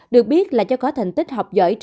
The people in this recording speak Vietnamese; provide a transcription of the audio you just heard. được biết là cho có thành tích học giỏi